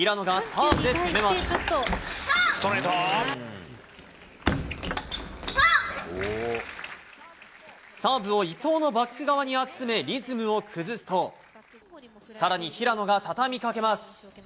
サーブを伊藤のバック側に集め、リズムを崩すと、さらに平野が畳みかけます。